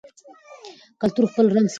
کلتور خپل رنګ ساتي.